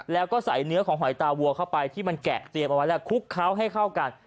แล้วก็ใส่เนื้อของหอยตาวัวเข้าไปที่มันแกะเตรียมเอาไว้แล้วคลุกเคล้าให้เข้ากัน